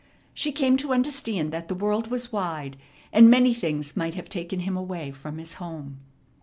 She came to understand that the world was wide, and many things might have taken him away from his home.